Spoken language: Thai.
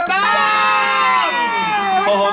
ทั้งหมดถูกต้อง